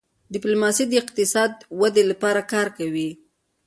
ډيپلوماسي د اقتصادي ودې لپاره کار کوي.